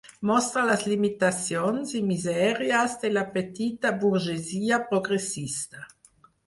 Mostra les limitacions i misèries de la petita burgesia progressista.